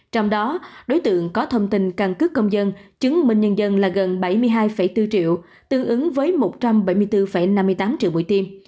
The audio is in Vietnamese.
trong đó đối tượng có thông tin căn cứ công dân chứng minh nhân dân là gần bảy mươi hai bốn triệu tương ứng với một trăm bảy mươi bốn năm mươi tám triệu mũi tiêm